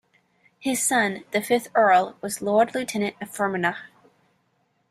His son, the fifth Earl, was Lord Lieutenant of Fermanagh.